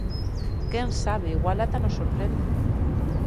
¡Quen sabe, igual ata nos sorprende!